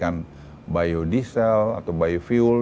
bisa menggantikan biodiesel atau biofuel